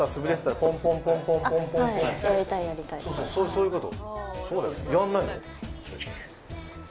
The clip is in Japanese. そういうこと。